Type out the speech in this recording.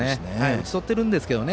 打ち取ってるんですけどね